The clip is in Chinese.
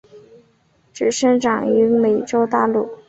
只生长于美洲大陆。